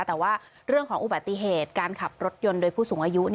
แต่ว่าเรื่องของอุบัติเหตุการขับรถยนต์โดยผู้สูงอายุ